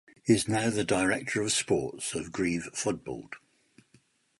He is now the director of sports of Greve Fodbold.